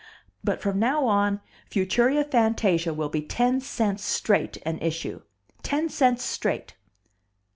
"But from now on Futuria Fantasia will be ten cents straight an issue. Ten cents straight."